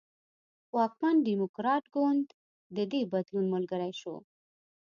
واکمن ډیموکراټ ګوند د دې بدلون ملګری شو.